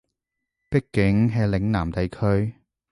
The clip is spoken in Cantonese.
畢竟係嶺南地區